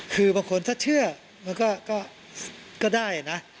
คือบางคนถ้าเชื่อมันก็ได้นะ